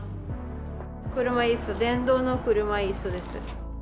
車いす、電動の車いすです。